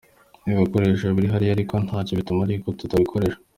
Ibikoresho biri hariya ariko ntacyo bitumariye kuko tutabikoresha".